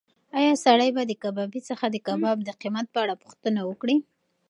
ایا سړی به د کبابي څخه د کباب د قیمت په اړه پوښتنه وکړي؟